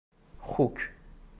خوک